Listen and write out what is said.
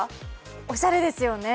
おしゃれですよね？